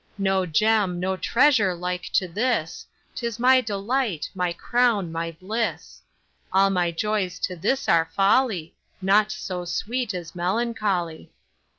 No Gem, no treasure like to this, 'Tis my delight, my crown, my bliss. All my joys to this are folly, Naught so sweet as melancholy.